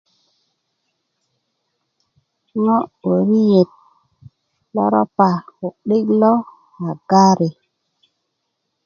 ŋo' wöriyet lo ropa ku'dik lo a gari